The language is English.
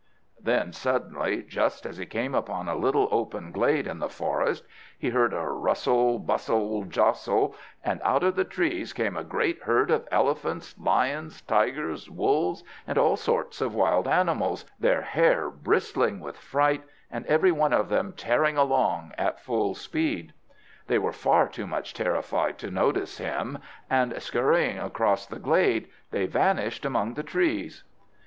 Then, suddenly, just as he came upon a little open glade in the forest, he heard a rustle, bustle, jostle, and out of the trees came a great herd of elephants, lions, tigers, wolves, and all sorts of wild animals, their hair bristling with fright, and every one of them tearing along at full speed. They were far too much terrified to notice him, and, scurrying across the glade, they vanished among the trees.